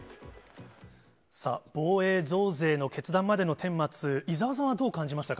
さあ、防衛増税の決断までのてん末、伊沢さんはどう感じましたか。